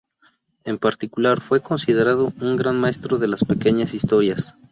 En particular, fue considerado un gran maestro de las pequeñas historias.